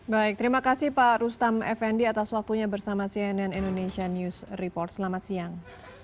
baik terima kasih pak rustam effendi atas waktunya bersama cnn indonesia news report selamat siang